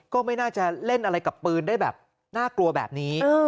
ก็ไม่น่าจะเล่นอะไรกับปืนได้แบบน่ากลัวแบบนี้